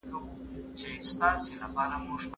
په کورني درس کې پر ماشوم.